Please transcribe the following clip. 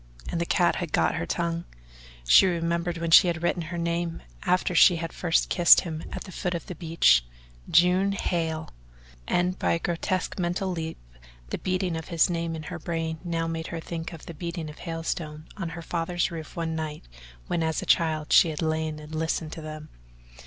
And the cat had got her tongue. She remembered when she had written her name, after she had first kissed him at the foot of the beech "June HAIL," and by a grotesque mental leap the beating of his name in her brain now made her think of the beating of hailstones on her father's roof one night when as a child she had lain and listened to them.